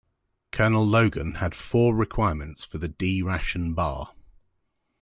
Colonel Logan had four requirements for the D ration Bar.